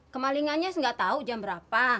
kemalingannya gak tau jam berapa